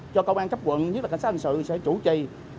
cho công an cấp quận nhất là cảnh sát hình sự sẽ chủ trì